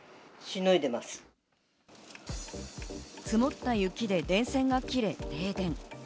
積もった雪で電線が切れ、停電。